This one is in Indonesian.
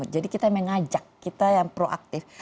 jadi kita mengajak kita yang proaktif